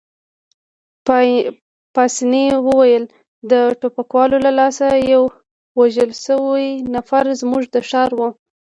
پاسیني وویل: د ټوپکوالو له لاسه یو وژل شوی نفر، زموږ د ښار وو.